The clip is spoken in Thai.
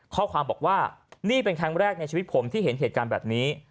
ข้อความบอกว่านี่เป็นครั้งแรกในชีวิตผมที่เห็นเหตุการณ์แบบนี้